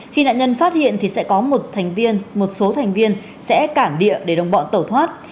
khi nạn nhân phát hiện thì sẽ có một số thành viên sẽ cản địa để đồng bọn tẩu thoát